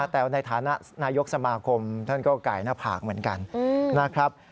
แต่ในฐานะนายกสมาคมท่านก็ไก่หน้าผากเหมือนกันนะครับ